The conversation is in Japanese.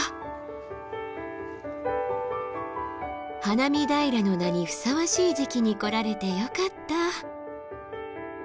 花見平の名にふさわしい時期に来られてよかった。